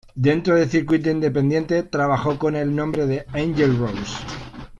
Dentro del circuito independiente, trabajó con el nombre de Angel Rose.